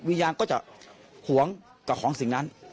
วิญญาณก็จะหวงกับของสิ่งนั้น